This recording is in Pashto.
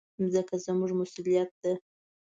مځکه زموږ مسؤلیت ده.